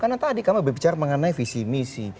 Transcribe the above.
karena tadi kami bicara mengenai visi misi